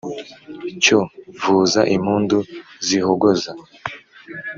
Cyo vuza impundu z’ihogoza